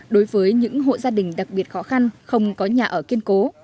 đối với những hộ gia đình đặc biệt khó khăn không có nhà ở kiên cố